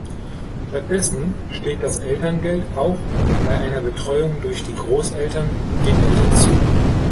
Stattdessen steht das Elterngeld auch bei einer Betreuung durch die Großeltern den Eltern zu.